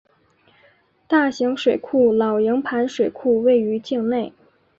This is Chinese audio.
大型水库老营盘水库位于境内。